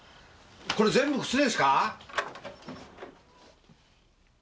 これ全部靴ですか？